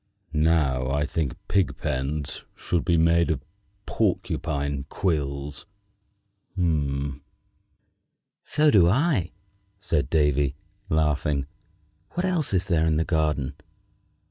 Now I think that pigpens should be made of porcupine quills." "So do I," said Davy, laughing. "What else is there in the garden?"